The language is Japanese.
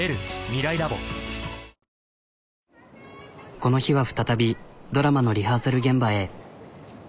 この日は再びドラマのリハーサル現場へ。